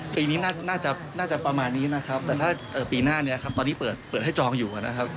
ปีนี้น่าจะน่าจะประมาณนี้นะครับแต่ถ้าปีหน้านี้ครับตอนนี้เปิดให้จองอยู่นะครับ